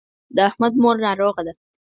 د احمد مور ناروغه ده.